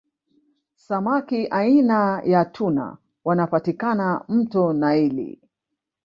samaki aina ya tuna wanapatikana mto naili